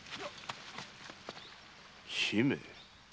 姫？